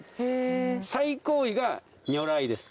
最高位が如来です。